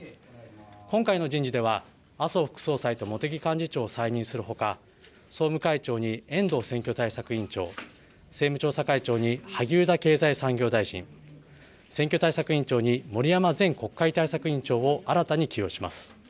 今回の人事では麻生副総裁と茂木幹事長を再任するほか総務会長に遠藤選挙対策委員長、政務調査会長に萩生田経済産業大臣、選挙対策委員長に森山前国会対策委員長を新たに起用します。